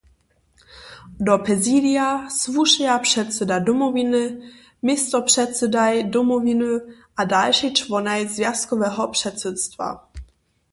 Do prezidija słušeja předsyda Domowiny, městopředsydaj Domowiny a dalšej čłonaj zwjazkoweho předsydstwa.